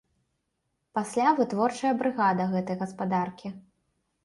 Пасля вытворчая брыгада гэтай гаспадаркі.